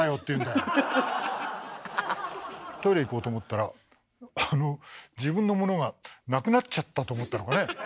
トイレ行こうと思ったら自分のものがなくなっちゃったと思ったのかね。